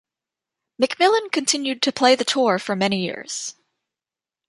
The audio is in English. McMillan continued to play the tour for many years.